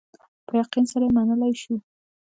په یقین سره یې منلای شو.